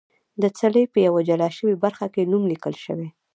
د څلي په یوه جلا شوې برخه کې نوم لیکل شوی.